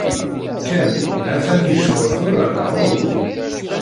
Ken ha-t-an yecɣel tura neɣ uhu?